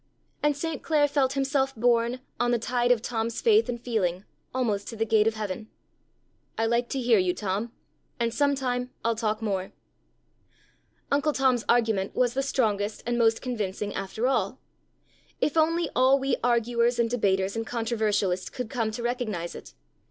And St. Clare felt himself borne, on the tide of Tom's faith and feeling, almost to the gate of heaven. '"I like to hear you, Tom; and some time I'll talk more."' Uncle Tom's argument was the strongest and most convincing after all; if only all we arguers, and debaters, and controversialists could come to recognize it.